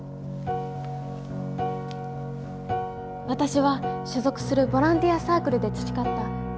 私は所属するボランティアサークルで培った。